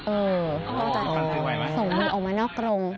เออส่งมันออกมานอกกรง